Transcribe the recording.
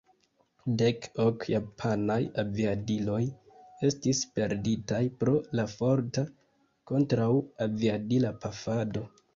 Dek ok japanaj aviadiloj estis perditaj pro la forta kontraŭ-aviadila pafado.